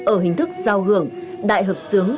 ở hình thức sao hưởng đại hợp xướng